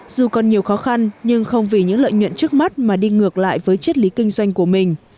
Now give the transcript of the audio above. dù còn nhiều khó khăn nhưng không vì những lợi nhuận trước mắt mà đi ngược lại với chiết lý kinh doanh của mình